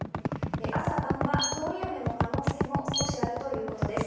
朝晩は通り雨の可能性も少しあるということです。